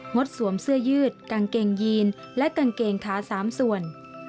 ดสวมเสื้อยืดกางเกงยีนและกางเกงขา๓ส่วน